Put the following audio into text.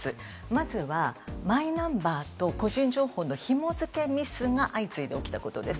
まずはマイナンバーと個人情報のひも付けミスが相次いで起きたことです。